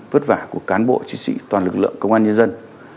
vất vả của cán bộ chiến sĩ toàn lực lượng công an nhân dân